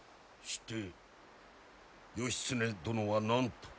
して義経殿は何と？